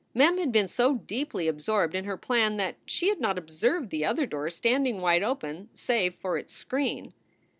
Mem had been so deeply absorbed in her plan that she had not observed the other door standing wide open save for its screen.